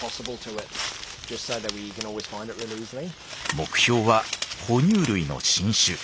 目標はほ乳類の新種。